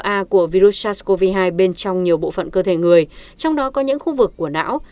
các nhà khoa học phát hiện những mảnh rna của virus sars cov hai bên trong nhiều bộ phận cơ thể người trong đó có những khu vực của não